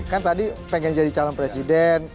kan tadi pengen jadi calon presiden